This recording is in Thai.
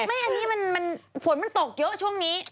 อันนี้มันฝนมันตกเยอะช่วงนี้